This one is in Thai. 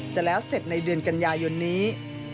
จะแล้วเสร็จในเดือนกันยายนนี้